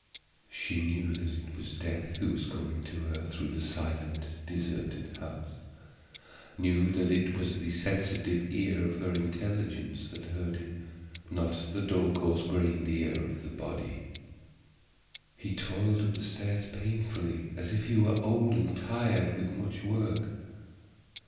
She knew that it was Death who was coming to her through the silent deserted house; knew that it was the sensitive ear of her intelligence that heard him, not the dull, coarse grained ear of the body. He toiled up the stair painfully, as if he were old and tired with much work.